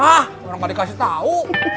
orang enggak dikasih tahu